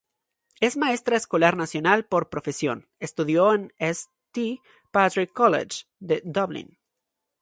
Es maestra escolar nacional por profesión, estudió en St Patrick College, de Dublín.